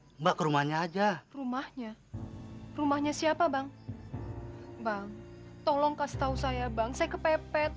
hai mbak rumahnya aja rumahnya rumahnya siapa bang bang tolong kasih tahu saya bang saya kepepet